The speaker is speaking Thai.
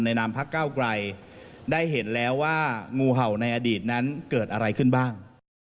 นามพักเก้าไกลได้เห็นแล้วว่างูเห่าในอดีตนั้นเกิดอะไรขึ้นบ้าง